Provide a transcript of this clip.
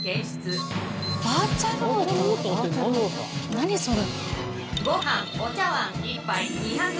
何それ？